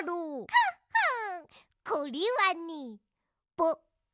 フッフンこれはね。